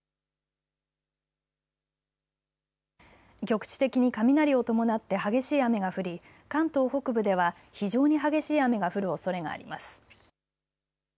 局地的に雷を伴って激しい雨が降り関東北部では非常に激しい雨が降るおそれがあります。